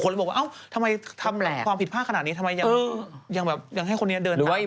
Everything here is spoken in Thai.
คนละบอกว่าทำไมทำความผิดผ้าขนาดนี้ทำไมยังให้คนนี้เดินข้าง